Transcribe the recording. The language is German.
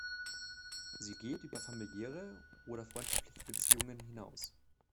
Sie geht über familiäre oder freundschaftliche Beziehungen hinaus.